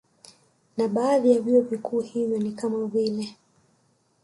Na baadhi ya vyuo vikuu hivyo ni kama vile